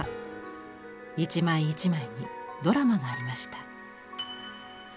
一枚一枚にドラマがありました。